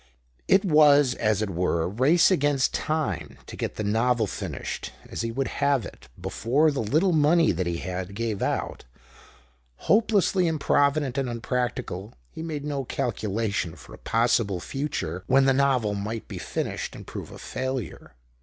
It was, as it were, a race against time, to get the novel finished as he would have it before the little money that he had gave out. Hope lessly improvident and unpractical, he made no calculation for a possible future when the novel might be finished and prove a failure.